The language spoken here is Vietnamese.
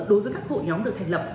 đối với các hội nhóm được thành lập